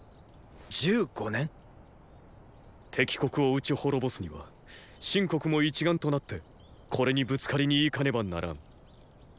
敵国を討ち滅ぼすには秦国も一丸となってこれにぶつかりにいかねばならん。